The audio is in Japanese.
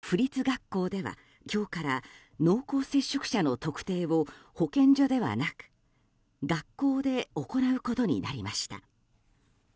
大阪府の府立学校では今日から濃厚接触者の特定を保健所ではなく学校で行うことになりました。